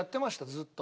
ずっと。